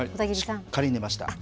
しっかり寝ました。